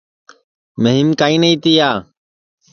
مھیم کائیں نائی تِیا